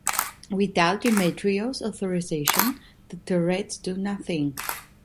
Without Demetrio's authorization, the turrets do nothing.